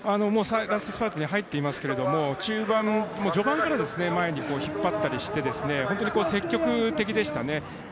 ラストスパートに入っていますけど序盤から前に引っ張ったりして、積極的でしたね。